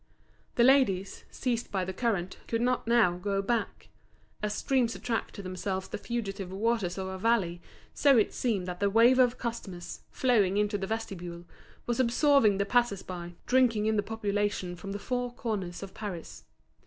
The ladies, seized by the current, could not now go back. As streams attract to themselves the fugitive waters of a valley, so it seemed that the wave of customers, flowing into the vestibule, was absorbing the passers by, drinking in the population from the four corners of Paris.